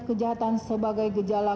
kejahatan sebagai gejala